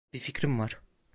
Bir fikrim var.